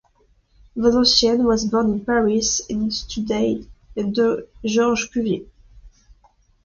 Valenciennes was born in Paris, and studied under Georges Cuvier.